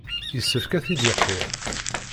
Yessefk ad t-id-iqirr.